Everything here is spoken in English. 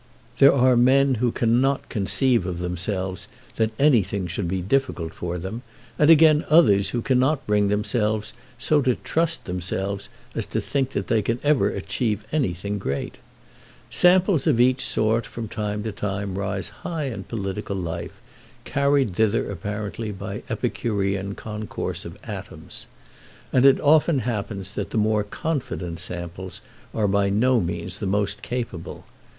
There are men who cannot conceive of themselves that anything should be difficult for them, and again others who cannot bring themselves so to trust themselves as to think that they can ever achieve anything great. Samples of each sort from time to time rise high in political life, carried thither apparently by Epicurean concourse of atoms; and it often happens that the more confident samples are by no means the most capable.